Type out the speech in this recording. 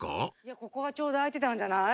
ここがちょうど空いてたんじゃない？